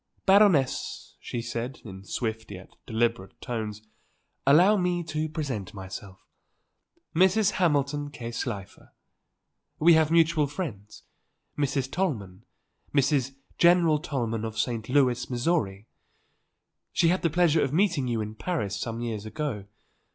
"Baroness," she said, in swift yet deliberate tones; "allow me to present myself; Mrs. Hamilton K. Slifer. We have mutual friends; Mrs. Tollman, Mrs. General Tollman of St. Louis, Missouri. She had the pleasure of meeting you in Paris some years ago.